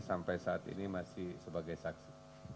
sampai saat ini masih sebagai saksi